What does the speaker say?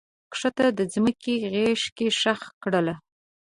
کښته د مځکې غیږ کې ښخ کړله